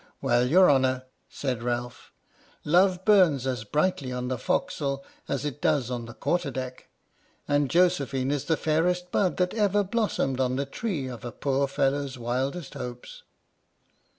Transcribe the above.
" Well, your honour," said Ralph, " love burns as brightly on the forecastle as it does on the quarter iii H.M.S. "PINAFORE" deck, and Josephine is the fairest bud that ever blossomed on the tree of a poor fellow's wildest hopes